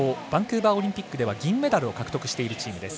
バンクーバーオリンピックでは銀メダルを獲得しているチーム。